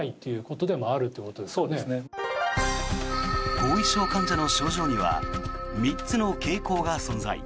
後遺症患者の症状には３つの傾向が存在。